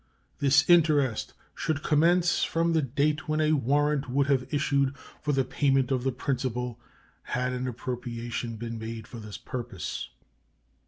This interest should commence from the date when a warrant would have issued for the payment of the principal had an appropriation been made for this purpose.